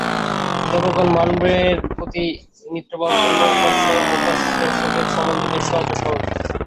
দেবগণ মানবের প্রতি মিত্রভাবাপন্ন, উপাস্য ও উপাসকের সম্বন্ধ বেশ সহজ ও স্বাভাবিক।